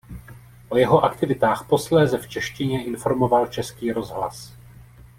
O jeho aktivitách posléze v češtině informoval Český rozhlas.